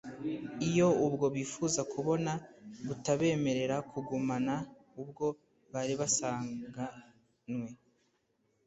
iyo ubwo bifuza kubona butabemerera kugumana ubwo bari basangantwe.